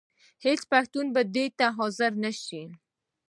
هېڅ پښتون به دې ته حاضر نه شي.